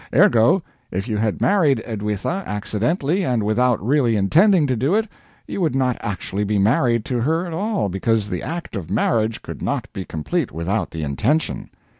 Ergo, if you had married Edwitha accidentally, and without really intending to do it, you would not actually be married to her at all, because the act of marriage could not be complete without the intention.